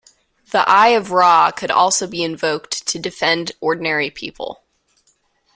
The Eye of Ra could also be invoked to defend ordinary people.